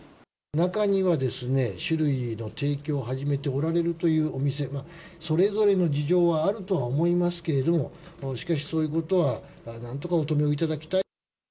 中にはですね、酒類の提供を始めておられるというお店が、それぞれの事情はあるとは思いますけれども、しかし、そういうことはなんとかお止めいただきたい。